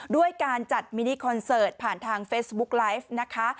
ด้วยการจัดมินิคอนเสิร์ตผ่านทางเฟซบุ๊กไลฟ์นะคะ